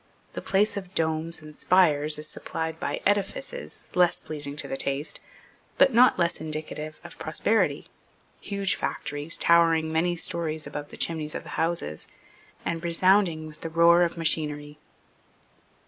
The place of domes and spires is supplied by edifices, less pleasing to the taste, but not less indicative of prosperity, huge factories, towering many stories above the chimneys of the houses, and resounding with the roar of machinery.